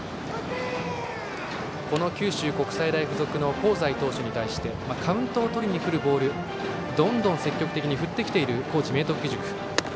九州国際大付属の香西投手に対しカウントをとりにくるボールをどんどん積極的に振ってきている高知・明徳義塾。